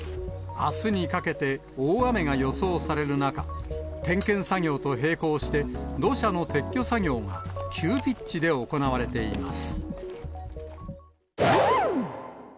あすにかけて大雨が予想される中、点検作業と並行して、土砂の撤去作業が急ピッチで行われています。